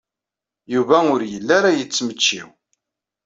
Yuba ur yelli ara yettmecčiw.